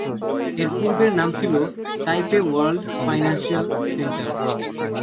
এর পূর্বের নাম ছিল তাইপে ওয়ার্ল্ড ফাইন্যান্সিয়াল সেন্টার।